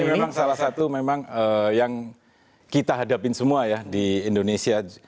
ini memang salah satu memang yang kita hadapin semua ya di indonesia